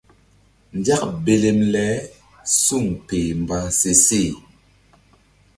Nzak belem le suŋ peh mba se seh.